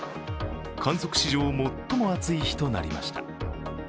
観測史上最も暑い日となりました。